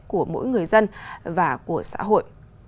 của mỗi người dân và của xã hội